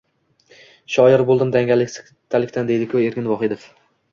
Shoir bo‘ldim dangasalikdan deydi-ku Erkin Vohidov.